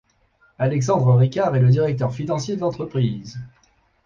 Alexandre Ricard est le directeur financier de l'entreprise.